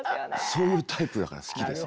そういうタイプだから好きです。